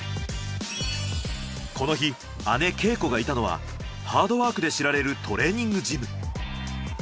この日姉啓子がいたのはハードワークで知られるトレーニングジム。